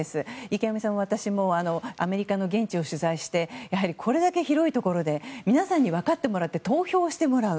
池上さんも私もアメリカの現地を取材してやはり、これだけ広いところで皆さんに分かってもらって投票してもらう。